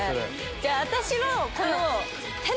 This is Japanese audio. じゃあ私のこの。